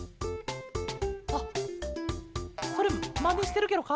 あっそれまねしてるケロか？